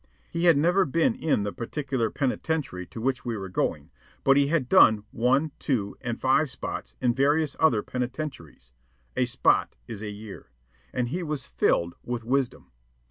He had never been in the particular penitentiary to which we were going, but he had done "one ," "two ," and "five spots" in various other penitentiaries (a "spot" is a year), and he was filled with wisdom.